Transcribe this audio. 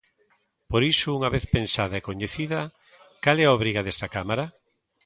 Por iso, unha vez pensada e coñecida, ¿cal é a obriga desta cámara?